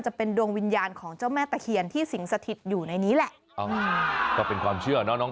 เฮ้ยเบาะเลี้ยกุ้ง